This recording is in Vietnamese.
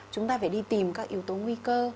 chúng ta phải đi tìm các yếu tố nguy cơ